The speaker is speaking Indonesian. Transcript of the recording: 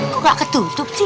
kok gak ketutup sih